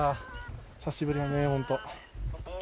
久しぶりだね本当。